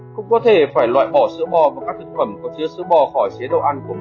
cũng có thể phải loại bỏ sữa bò và các thực phẩm có chứa sữa bò khỏi chế độ ăn của mình